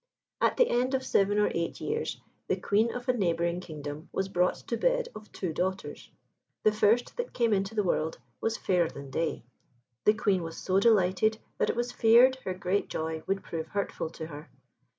At the end of seven or eight years, the Queen of a neighbouring kingdom was brought to bed of two daughters. The first that came into the world was fairer than day. The Queen was so delighted, that it was feared her great joy would prove hurtful to her.